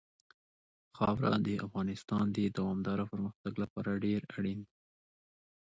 خاوره د افغانستان د دوامداره پرمختګ لپاره ډېر اړین دي.